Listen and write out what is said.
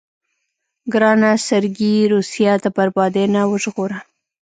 ګرانه سرګي روسيه د بربادۍ نه وژغوره.